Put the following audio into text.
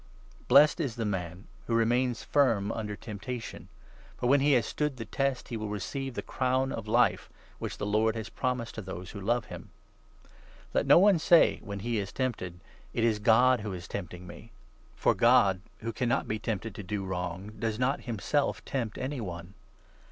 Blessed is the man who remains firm under 12 >mptation. temptat; on) for) when he has stood the test, he will receive the crown of Life, which the Lord has promised to those who love him. Let no one say, when he is tempted, 13 "It is God who is tempting me !" For God, who cannot be 10 " Isa. 40, £—7, 12 Dan. 13. 12. 276 JAMES, 1 2. tempted to do wrong, does not himself tempt any one.